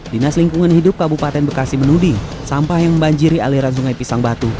dinas lingkungan hidup kabupaten bekasi menuding sampah yang membanjiri aliran sungai pisang batu